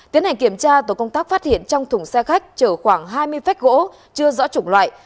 tiến hành kiểm tra tổ công tác phát hiện trong thùng xe khách chở khoảng hai mươi phách gỗ chưa rõ chủng loại